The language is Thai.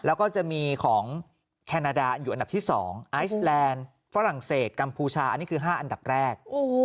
แล้วก็จะมีของแคนาดาอยู่อันดับที่๒ไอซ์แลนด์ฝรั่งเศสกัมพูชาอันนี้คือ๕อันดับแรก